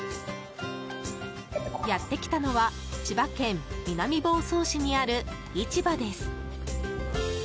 やってきたのは千葉県南房総市にある市場です。